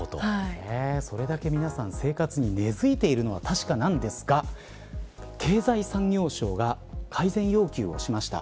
それだけ皆さん、生活に根づいているのは確かなんですが経済産業省が改善要求をしました。